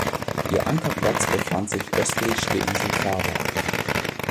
Ihr Ankerplatz befand sich östlich der Insel Cava.